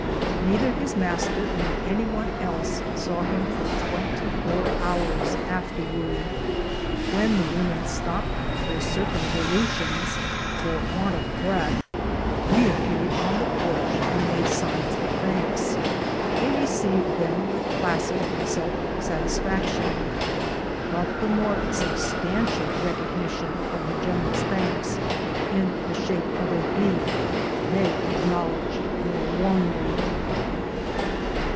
Neither his master nor any one else saw him for twenty four hours afterwards. When the women stopped their circumvolutions for want of breath, we appeared on the porch and made signs of thanks. They received them with placid self satisfaction, but the more substantial recognition of the general's thanks, in the shape of a beef, they acknowl edged more warmly.